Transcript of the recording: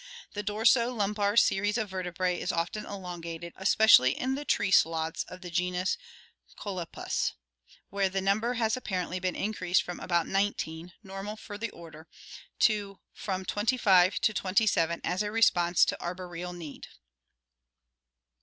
The dorso lumbar series of vertebrae is often elongated, especially in the tree sloths of the genus Cholcepus (Fig. 73), where the number has apparently been increased from about nineteen (normal for the order) to from twenty five to twenty seven as a response to arboreal need.